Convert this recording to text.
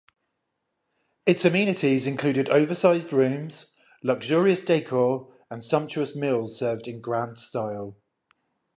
Its amenities included oversized rooms, luxurious decor, and sumptuous meals served in grand style.